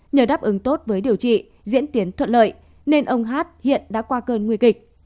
nhờ đáp ứng tốt với điều trị diễn tiến thuận lợi nên ông hát hiện đã qua cơn nguy kịch